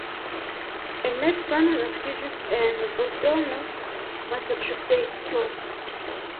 Emerson naskiĝis en Bostono, Masaĉuseco.